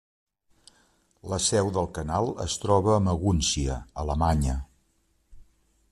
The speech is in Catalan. La seu del canal es troba a Magúncia, Alemanya.